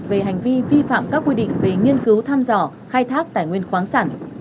về hành vi vi phạm các quy định về nghiên cứu thăm dò khai thác tài nguyên khoáng sản